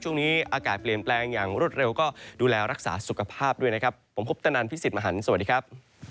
ช่วงนี้อากาศเปลี่ยนแปลงอย่างรวดเร็วก็ดูแลรักษาสุขภาพด้วยนะครับผมพบตนันพี่สิทธิ์มหันฯสวัสดีครับ